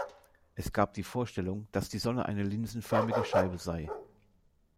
Es gab die Vorstellung, dass die Sonne eine linsenförmige Scheibe sei.